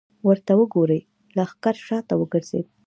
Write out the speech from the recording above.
ورته وګورئ! لښکر شاته وګرځېد.